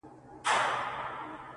نن بيا د هغې نامه په جار نارې وهلې چي!!